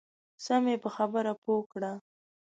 سم یې په خبره پوه کړه.